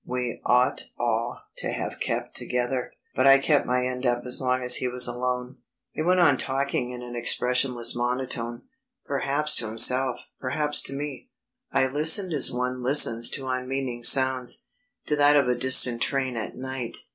We ought all to have kept together. But I kept my end up as long as he was alone." He went on talking in an expressionless monotone, perhaps to himself, perhaps to me. I listened as one listens to unmeaning sounds to that of a distant train at night.